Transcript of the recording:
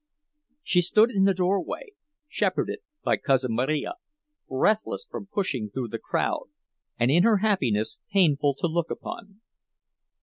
She stood in the doorway, shepherded by Cousin Marija, breathless from pushing through the crowd, and in her happiness painful to look upon.